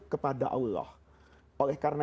kepada allah oleh karena